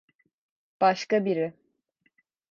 Başka biri.